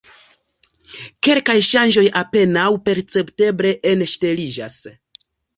Kelkaj ŝanĝoj apenaŭ percepteble enŝteliĝas.